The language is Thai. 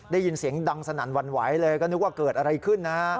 ได้ยินเสียงดังสนั่นหวั่นไหวเลยก็นึกว่าเกิดอะไรขึ้นนะฮะ